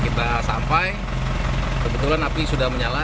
kita sampai kebetulan api sudah menyala